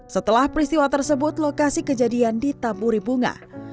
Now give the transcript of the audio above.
setelah peristiwa tersebut lokasi kejadian ditaburi bunga